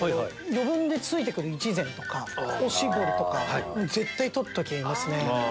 余分で付いてくる一膳とかお絞りとか絶対取っときますね。